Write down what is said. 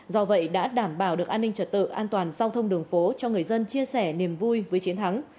do vậy đã đảm bảo được an ninh trật tự an toàn giao thông đường phố cho người dân chia sẻ niềm vui với chiến thắng